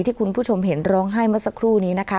ที่คุณผู้ชมเห็นร้องไห้เมื่อสักครู่นี้นะคะ